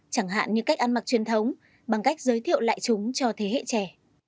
chẳng hạn như cách ăn mặc truyền thống bằng cách giới thiệu lại chúng cho thế hệ trẻ